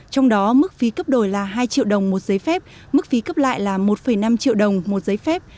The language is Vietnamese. trong đó mức phí cấp đổi là hai triệu đồng một giấy phép mức phí cấp lại là một năm triệu đồng một giấy phép